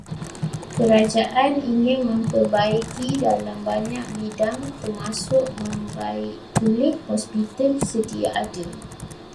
Kerajaan ingin memperbaiki dalam banyak bidang termasuk membaik pulih hospital sedia ada.